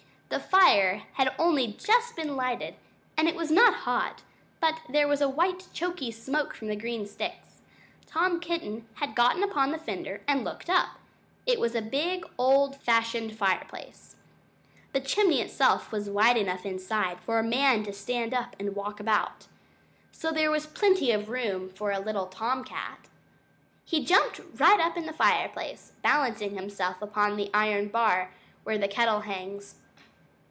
The fire had only just been lighted, and it was not hot; but there was a white choky smoke from the green sticks. Tom Kitten got upon the fender and looked up. It was a big old fashioned fireplace. The chimney itself was wide enough inside for a man to stand up and walk about. So there was plenty of room for a little Tom Cat. He jumped right up into the fireplace, balancing himself upon the iron bar where the kettle hangs.